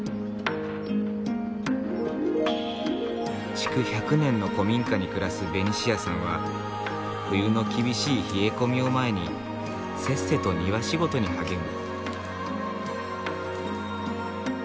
築１００年の古民家に暮らすベニシアさんは冬の厳しい冷え込みを前にせっせと庭仕事に励む。